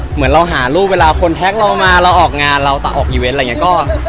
เหมือนเราหารูปเวลาคนแท็กเรามาเราออกงานเราแต่ออกอีเวนต์อะไรอย่างนี้ก็